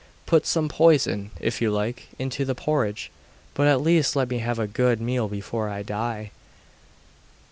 Put some poison, if you like, into the porridge, but at least let me have a good meal before I die.